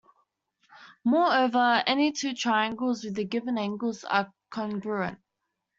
Moreover, any two triangles with the given angles are congruent.